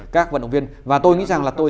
các vận động viên và tôi nghĩ rằng là tôi